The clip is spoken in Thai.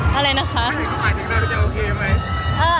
ทำไมคุณไม่รู้ว่าเธอ